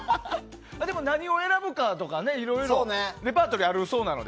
何を選ぶかとか、いろいろレパートリーがあるそうなので。